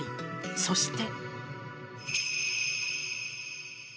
そして。